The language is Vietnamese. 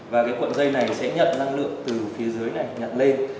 và cái cuộn dây này sẽ nhận năng lượng từ phía dưới này nhận lên